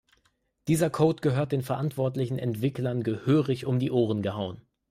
Dieser Code gehört den verantwortlichen Entwicklern gehörig um die Ohren gehauen.